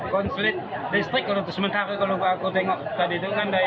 konsulit listrik kalau sementara kalau aku tengok tadi itu kan dari